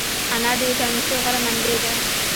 انار د ویټامین C غوره منبع ده.